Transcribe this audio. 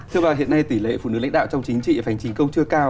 thưa bà hiện nay tỉ lệ phụ nữ lãnh đạo trong chính trị và phản trình công chưa cao